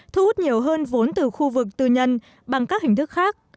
thu hút nhiều hơn vốn từ khu vực tư nhân bằng các hình thức khác